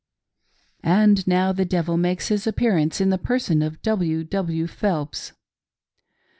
And now the devil makes his appearance in the person of W. W. Phelps.